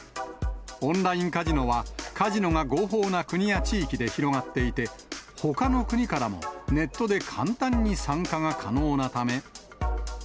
オンラインカジノは、カジノが合法な国や地域で広がっていて、ほかの国からもネットで簡単に参加が可能なため。